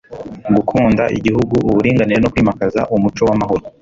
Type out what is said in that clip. gukunda igihugu, uburinganire no kwimakaza umuco w'amahoro,